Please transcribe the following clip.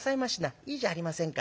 いいじゃありませんか。